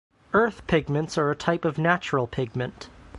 Earth pigments are a type of natural pigment.